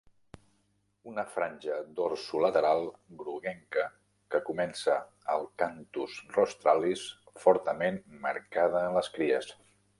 Una franja dorsolateral groguenca que comença al "canthus rostralis", fortament marcada en les cries.